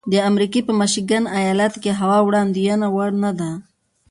د امریکې په میشیګن ایالت کې هوا د وړاندوینې وړ نه ده.